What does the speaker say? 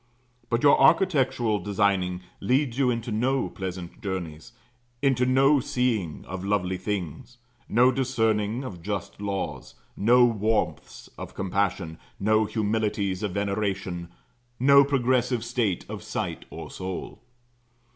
But your architectural designing leads you into no pleasant journeys, into no seeing of lovely things, no discerning of just laws, no warmths of compassion, no humilities of veneration, no progressive state of sight or soul.